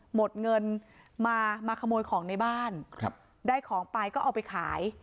หมดเงินมามาขโมยของในบ้านครับได้ของไปก็เอาไปขาย